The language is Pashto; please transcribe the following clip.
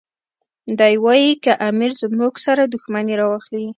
دی وایي که امیر زموږ سره دښمني راواخلي.